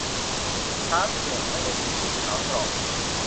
ช้างเผือก ไม่ได้มีสีขาวปลอด